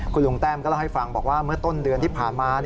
คุณลุงแต้มก็เล่าให้ฟังบอกว่าเมื่อต้นเดือนที่ผ่านมา